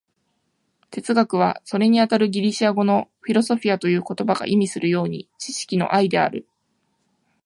哲学は、それにあたるギリシア語の「フィロソフィア」という言葉が意味するように、知識の愛である。